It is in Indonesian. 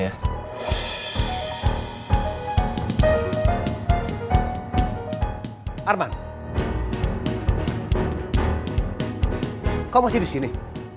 kau masih di sini